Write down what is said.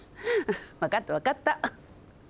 わかったわかった。